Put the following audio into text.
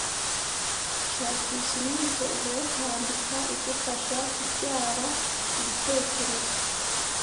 shakisha imyitozo yo kwandika igufasha kubyara ibitekerezo